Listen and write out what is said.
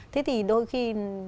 thế thì đôi khi